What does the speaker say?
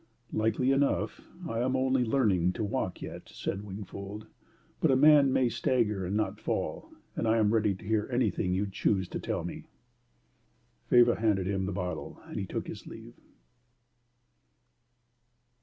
"Likely enough: I am only learning to walk yet," said Wingfold. "But a man may stagger and not fall, and I am ready to hear anything you choose to tell me." Faber handed him the bottle, and he took his leave.